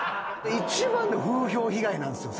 一番の風評被害なんすよ